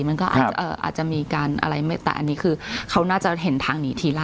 มันก็อาจจะมีการอะไรแต่อันนี้คือเขาน่าจะเห็นทางหนีทีละ